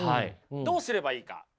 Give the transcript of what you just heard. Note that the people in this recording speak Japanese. どうすればいいか。